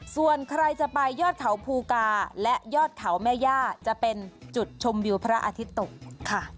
ส่วนใครจะไปยอดเขาภูกาและยอดเขาแม่ย่าจะเป็นจุดชมวิวพระอาทิตย์ตกค่ะ